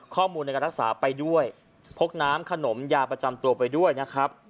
ข้อมูลในการรักษาไปด้วยพกน้ำขนมยาประจำตัวไปด้วยนะครับ